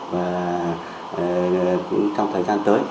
và trong thời gian tới